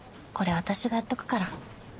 これ私がやっとくから。